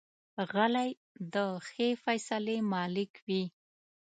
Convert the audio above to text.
غلی، د ښې فیصلې مالک وي.